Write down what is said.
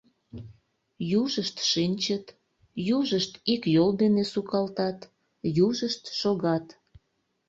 Южышт шинчыт, южышт ик йол дене сукалтат, южышт шогат.